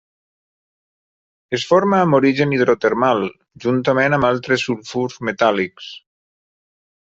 Es forma amb origen hidrotermal juntament amb altres sulfurs metàl·lics.